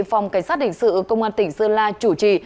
phòng cảnh sát hình sự công an tỉnh sơn la chủ trì